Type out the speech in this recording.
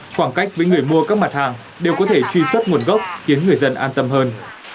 khoảng cách với người mua các mặt hàng đều có thể truy xuất nguồn gốc khiến người dân an tâm hơn